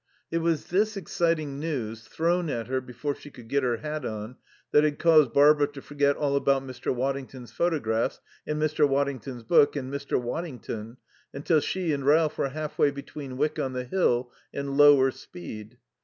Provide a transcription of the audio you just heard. It was this exciting news, thrown at her before she could get her hat on, that had caused Barbara to forget all about Mr. Waddington's photographs and Mr. Waddington's book and Mr. Waddington, until she and Ralph were half way between Wyck on the Hill and Lower Speed.